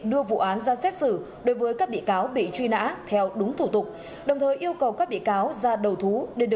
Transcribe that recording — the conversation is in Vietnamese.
đưa vụ án ra xét xử đối với các bị cáo bị truy nã theo đúng thủ tục đồng thời yêu cầu các bị cáo ra đầu thú để đưa